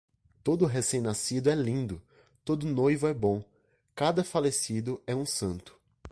Todo recém-nascido é lindo, todo noivo é bom, cada falecido é um santo.